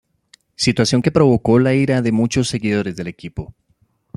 Situación que provocó la ira de muchos seguidores del equipo.